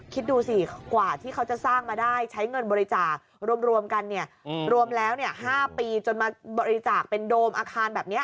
คิดดูสิกว่าที่เขาจะสร้างมาได้ใช้เงินบริจาครวมกันเนี่ยรวมแล้ว๕ปีจนมาบริจาคเป็นโดมอาคารแบบนี้